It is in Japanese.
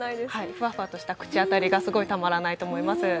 ふわふわとした口当たりがすごいたまらないと思います。